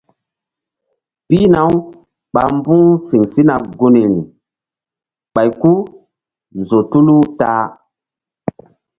Pihna- uɓa mbu̧h siŋ sina gunri ɓay ku-u zo tulu ta-a.